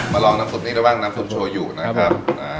ลองน้ำซุปนี้ได้บ้างน้ำซุปโชว์อยู่นะครับ